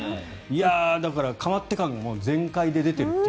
だから、構って感が全開で出ていると。